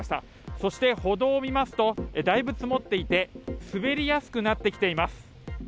そして歩道を見ますと、だいぶ積もっていて、滑りやすくなってきています。